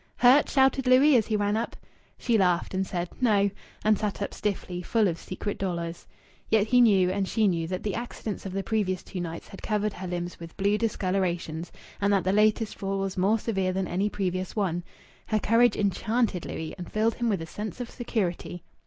"Hurt?" shouted Louis, as he ran up. She laughed and said "No," and sat up stiffly, full of secret dolours. Yet he knew and she knew that the accidents of the previous two nights had covered her limbs with blue discolorations, and that the latest fall was more severe than any previous one. Her courage enchanted Louis and filled him with a sense of security.